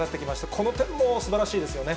この点もすばらしいですよね。